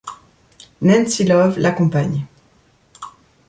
Nancy Love l'accompagne.